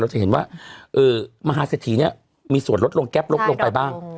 จะเห็นว่ามหาเศรษฐีเนี่ยมีส่วนลดลงแก๊ปลดลงไปบ้าง